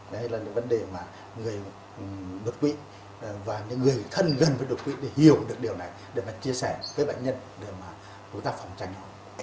đấy là những vấn đề mà người đột quỵ và những người thân gần với đột quỵ hiểu được điều này để mà chia sẻ với bệnh nhân để mà chúng ta phòng tranh